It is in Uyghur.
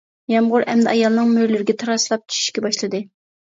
يامغۇر ئەمدى ئايالنىڭ مۈرىلىرىگە تاراسلاپ چۈشۈشكە باشلىدى.